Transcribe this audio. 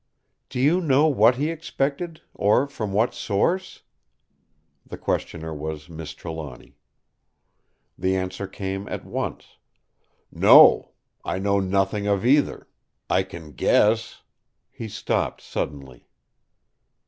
"Do you know what he expected, or from what source?" The questioner was Miss Trelawny. The answer came at once: "No! I know nothing of either. I can guess..." He stopped suddenly.